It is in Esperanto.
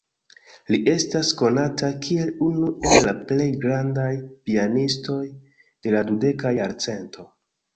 Li estas konata kiel unu el la plej grandaj pianistoj de la dudeka jarcento.